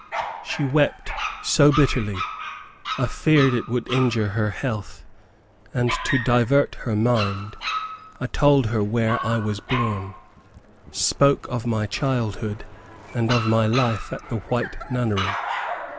She wept so bitterly, I feared it would injure her health, and to divert her mind, I told her where I was born; spoke of my childhood, and of my life at the White Nunnery.